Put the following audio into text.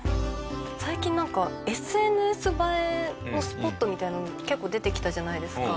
最近なんかＳＮＳ映えのスポットみたいなのが結構出てきたじゃないですか。